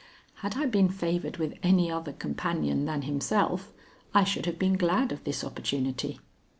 Had I been favored with any other companion than himself, I should have been glad of this opportunity.